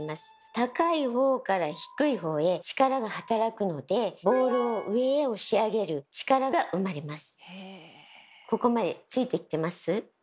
高いほうから低いほうへ力が働くのでボールを上へ押し上げる力が生まれます。